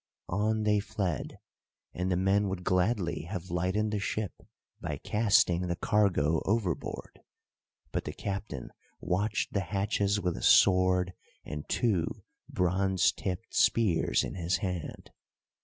On they fled, and the men would gladly have lightened the ship by casting the cargo overboard; but the captain watched the hatches with a sword and two bronze tipped spears in his hand.